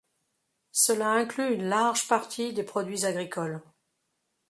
Cela inclut une large partie des produits agricoles.